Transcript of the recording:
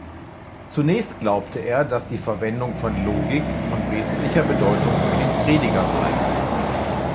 Zunächst glaubte er, dass die Verwendung von Logik von wesentlicher Bedeutung für den Prediger sei.